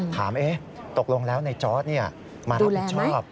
ถามตกลงแล้วในจอร์ดมารับผิดชอบ